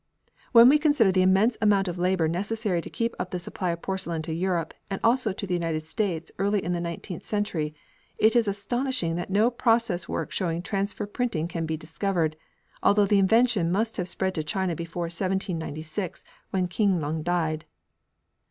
When we consider the immense amount of labour necessary to keep up the supply of porcelain to Europe, and also to the United States early in the nineteenth century, it is astonishing that no process work showing transfer printing can be discovered, although the invention must have spread to China before 1796 when Keen lung died.